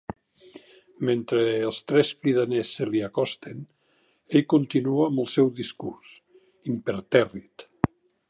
Mentre els tres cridaners se li acosten, ell continua amb el seu discurs, impertèrrit.